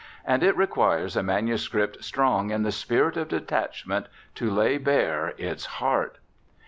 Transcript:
And it requires a manuscript strong in the spirit of detachment to lay bare its heart.